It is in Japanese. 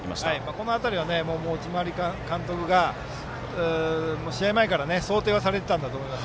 この辺りは持丸監督が試合前から想定されていたと思います。